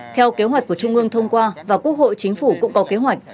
theo kế hoạch của trung ương thông qua và quốc hội chính phủ cũng có kế hoạch